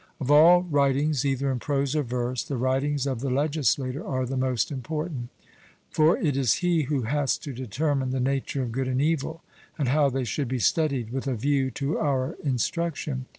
Of all writings either in prose or verse the writings of the legislator are the most important. For it is he who has to determine the nature of good and evil, and how they should be studied with a view to our instruction.